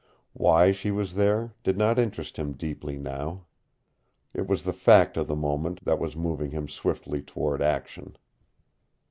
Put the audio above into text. Why she was there did not interest him deeply now. It was the fact of the moment that was moving him swiftly toward action.